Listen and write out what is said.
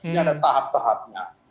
ini ada tahap tahapnya